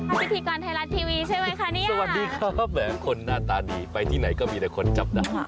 ภาษาพิกรไทยรัฐทีวีใช่ไหมคะนี่ค่ะสวัสดีครับแหม่คนหน้าตาดีไปที่ไหนก็มีแต่คนจับน้ำค่ะ